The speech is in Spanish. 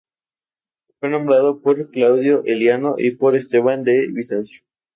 Fue nombrado por Claudio Eliano y por Esteban de Bizancio.